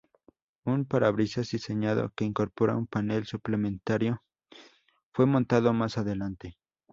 Un parabrisas diseñado que incorpora un panel suplementario fue montado más adelante.